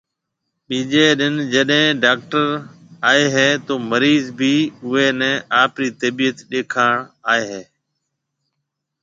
ٻِيجيَ ڏن جڏي ڊاڪٽر آئي هيَ تو مريض ڀِي اُوئي نَي آپرِي تبِيت ڏيکاڻ آئي هيَ۔